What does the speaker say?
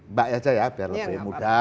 mbak ya biar lebih mudah